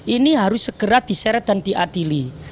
ini harus segera diseret dan diadili